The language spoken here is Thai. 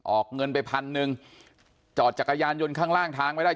ออกเงินไปพันหนึ่งจอดจักรยานยนต์ข้างล่างทางไม่ได้